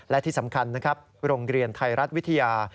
และที่สำคัญนะครับโรงเรียนไทยรัฐวิทยา